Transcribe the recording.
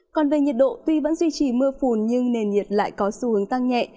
còn về nhiệt độ tuy vẫn duy trì mưa phùn nhưng nền nhiệt lại có xu hướng tăng nhẹ